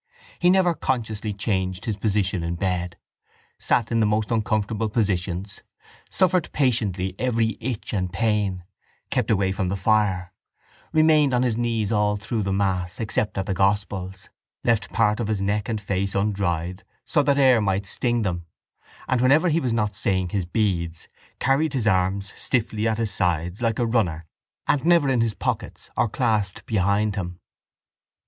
He never consciously changed his position in bed, sat in the most uncomfortable positions, suffered patiently every itch and pain, kept away from the fire, remained on his knees all through the mass except at the gospels, left part of his neck and face undried so that air might sting them and, whenever he was not saying his beads, carried his arms stiffly at his sides like a runner and never in his pockets or clasped behind him.